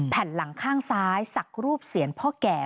แผ่นหลังข้างซ้ายสักรูปเสียรพ่อแก่